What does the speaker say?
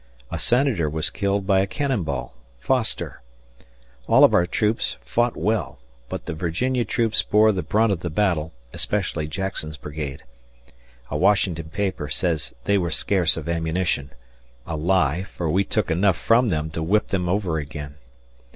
A Senator was killed by a cannon ball Foster. All of our troops fought well, but the Virginia troops bore the brunt of the battle, especially Jackson's brigade. A Washington paper says they were scarce of ammunition a lie, for we took enough from them to whip them over again.